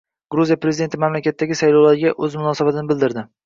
Gruziya prezidenti mamlakatdagi saylovlarga o‘z munosabatini bildirdi